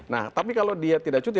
nah tapi kalau dia tidak cuti